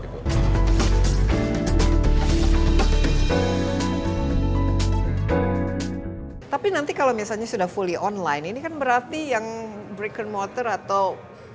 tapi nanti kalau misalnya sudah fully online ini kan berarti yang breaker motor atau